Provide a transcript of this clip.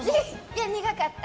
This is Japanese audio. いや、苦かった。